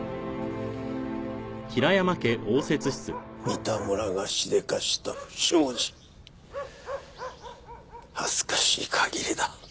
三田村がしでかした不祥事恥ずかしい限りだ。